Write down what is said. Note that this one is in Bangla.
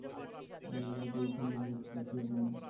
আল্লাহ দুই খণ্ড মেঘ পাঠিয়ে দেন।